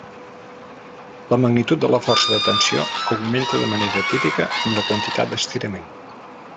La magnitud de la força de tensió augmenta de manera típica amb la quantitat d'estirament.